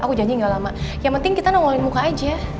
aku janji gak lama yang penting kita nongolin muka aja